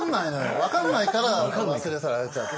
分かんないから忘れ去られちゃって。